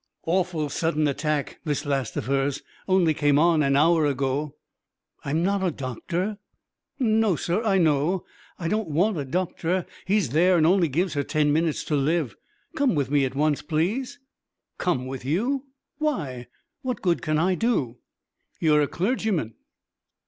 "Awful sudden attack this last of hers only came on an hour ago." "I'm not a doctor." "No, sir, I know. I don't want a doctor. He's there and only gives her ten minutes to live. Come with me at once, please." "Come with you? Why, what good can I do?" "You're a clergyman!"